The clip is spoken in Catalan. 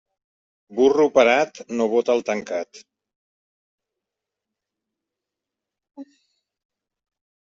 Burro parat no bota el tancat.